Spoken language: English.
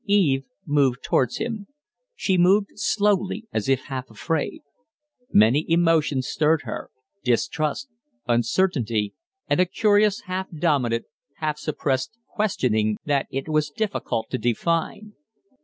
Eve moved towards him. She moved slowly, as if half afraid. Many emotions stirred her distrust, uncertainty, and a curious half dominant, half suppressed questioning that it was difficult to define.